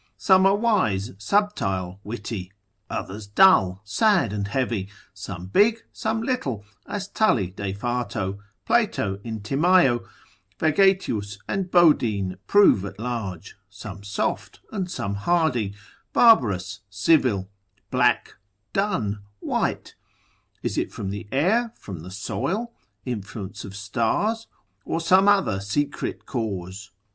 Some are wise, subtile, witty; others dull, sad and heavy; some big, some little, as Tully de Fato, Plato in Timaeo, Vegetius and Bodine prove at large, method. cap. 5. some soft, and some hardy, barbarous, civil, black, dun, white, is it from the air, from the soil, influence of stars, or some other secret cause?